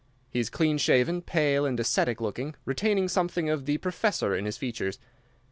He is clean shaven, pale, and ascetic looking, retaining something of the professor in his features.